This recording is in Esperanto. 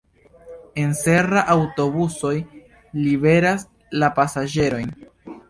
En Serra aŭtobusoj liveras la pasaĝerojn.